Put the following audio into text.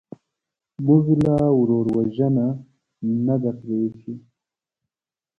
موږ لا ورور وژنه نه ده پرېښې.